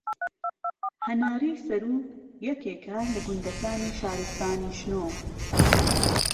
هەنارەی سەروو یەکێکە لە گوندەکانی شارستانی شنۆ